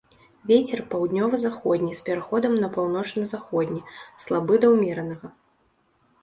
Вецер паўднёва-заходні, з пераходам на паўночна-заходні, слабы да ўмеранага.